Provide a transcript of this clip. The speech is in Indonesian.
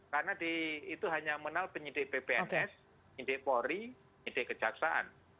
karena itu hanya menal penyidik ppns penyidik pori penyidik kejaksaan